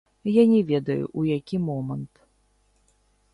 Я не ведаю, у які момант.